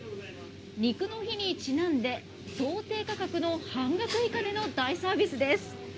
肉の日にちなんで想定価格の半額以下での大サービスです。